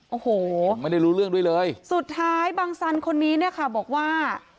โอ้โหไม่ได้รู้เรื่องด้วยเลยสุดท้ายบังสันคนนี้เนี่ยค่ะบอกว่า